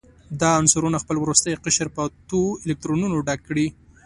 دا عنصرونه خپل وروستی قشر په اتو الکترونونو ډک کړي.